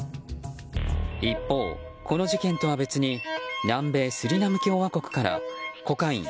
一方、この事件とは別に南米スリナム共和国からコカイン